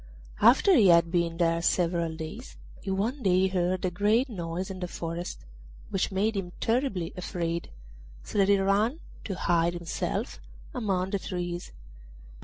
After he had been there several days, he one day heard a great noise in the forest, which made him terribly afraid, so that he ran to hide himself among the trees.